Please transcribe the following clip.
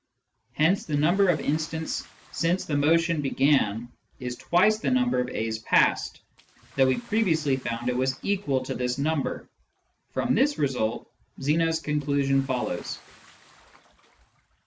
Hence the number of instants since the motion began is twice the number of A's passed, though we pre viously found it was equal to this number. From this result, Zeno's conclusion follows.